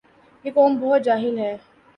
یہ قوم بہت جاہل ھے